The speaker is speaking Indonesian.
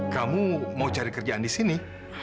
kamu mau cari kerjaan di sini